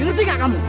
lerti gak kamu